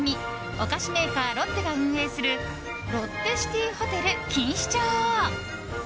お菓子メーカーロッテが運営するロッテシティホテル錦糸町。